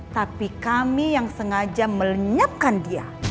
tapi kami yang sengaja melenyapkan dia